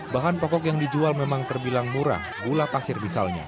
bahan pokok yang dijual memang terbilang murah gula pasir misalnya